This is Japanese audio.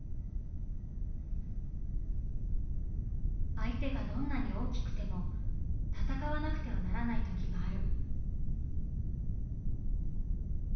相手がどんなに大きくても闘わなくてはならないときがある。